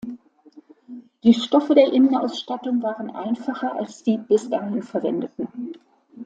Die Stoffe der Innenausstattung waren einfacher als die bis dahin verwendeten.